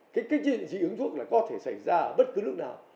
cái chuyện dị ứng thuốc là có thể xảy ra ở bất cứ lúc nào